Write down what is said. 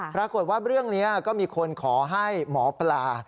ปรากฏว่าเรื่องนี้ก็มีคนขอให้หมอปลา